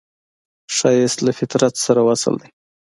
ښایست له فطرت سره وصل دی